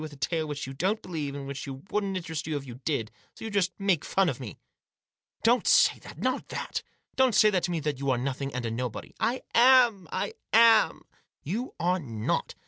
199 with a tale which you don't believe, and which wouldn't interest you if you did ; and so you just make fun of me." " Don't say that ; not that. Don't say that to me you are a nothing and a nobody." "Iam! Iam!" " You are not."